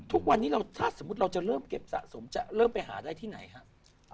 ทุกวันนี้เราถ้าสมมุติเราจะเริ่มเก็บสะสมจะเริ่มไปหาได้ที่ไหนครับ